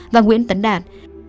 và nguyễn tấn đạt